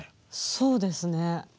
そうですね。